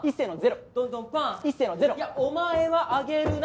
いやお前は上げるな。